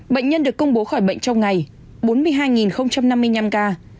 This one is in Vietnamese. bệnh nhân được công bố khỏi bệnh trong ngày bốn mươi hai năm mươi năm ca